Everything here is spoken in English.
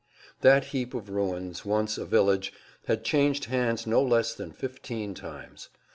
That heap of ruins, once a village, had changed hands no less than fifteen times.